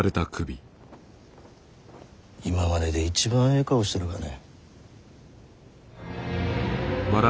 今までで一番ええ顔しとるがね。